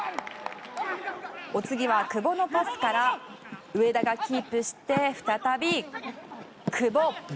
お次は久保のパスから上田がキープして再び久保！